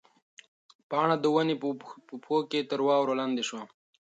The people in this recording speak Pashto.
پاڼه د ونې په پښو کې تر واورو لاندې شوه.